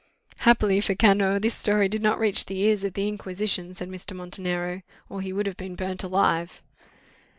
"Happily for Cano, this story did not reach the ears of the Inquisition," said Mr. Montenero, "or he would have been burnt alive."